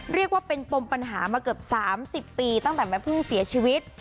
เรียกว่าเป็นปมปัญหามาเกือบ๓๐ปีตั้งแต่แม่พึ่งเสียชีวิต